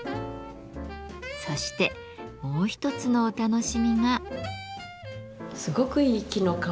そしてもう一つのお楽しみが。